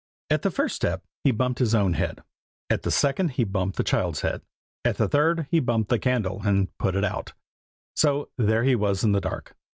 At the first step he bumped his own head; at the second he bumped the child's head; at the third he bumped the candle, and put it out, so there he was in the dark.